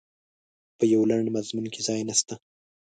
په یوه لنډ مضمون کې ځای نسته.